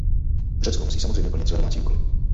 Řecko musí samozřejmě plnit své domácí úkoly.